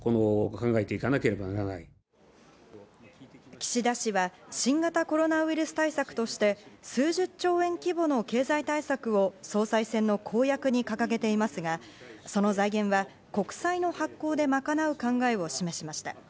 岸田氏は新型コロナウイルス対策として数１０兆円規模の経済対策を総裁選の公約に掲げていますが、その財源は国債の発行で賄う考えを示しました。